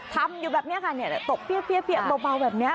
ทำอยู่แบบนี้ค่ะตกเปรี้ยเบาแบบนี้